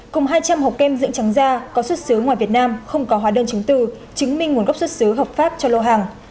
cùng hai trăm linh hộp kem dưỡng trắng da có xuất xứ ngoài việt nam không có hóa đơn chứng từ chứng minh nguồn gốc xuất xứ hợp pháp cho lô hàng